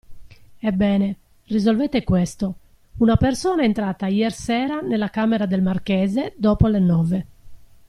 Ebbene, risolvete questo: una persona è entrata iersera nella camera del marchese, dopo le nove.